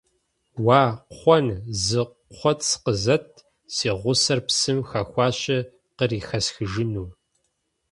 Уа Кхъуэн, зы кхъуэц къызэт, си гъусэр псым хэхуащи кърихэсхыжыну.